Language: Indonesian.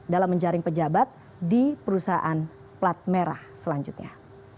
dalam menjaring pejabat di perusahaan plat merah selanjutnya